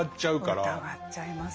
疑っちゃいます。